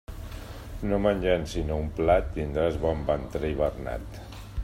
No menjant sinó un plat, tindràs bon ventrell, Bernat.